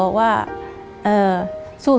ก็ทุกวันนี้ก็บอกว่า